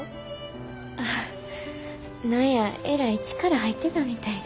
ああ何やえらい力入ってたみたいで。